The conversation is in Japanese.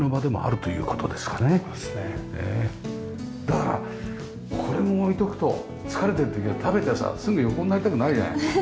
だからこれも置いておくと疲れてる時は食べてさすぐ横になりたくなるじゃない？